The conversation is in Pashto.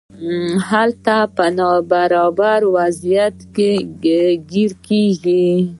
هلته په نابرابر وضعیت کې ګیر کیږي.